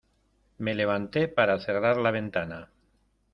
me levanté para cerrar la ventana.